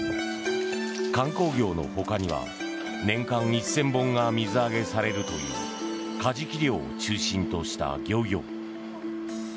観光業の他には年間１０００本が水揚げされるというカジキ漁を中心とした漁業。